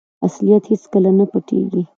اصلیت هیڅکله نه پټیږي.